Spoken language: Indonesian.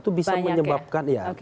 itu bisa menyebabkan